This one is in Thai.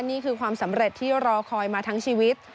นี่คือความสำเร็จที่รอคอยมาทั้งชีวิต